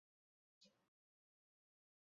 宫坂是东京都世田谷区的町名。